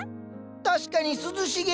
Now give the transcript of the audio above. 確かに涼しげ。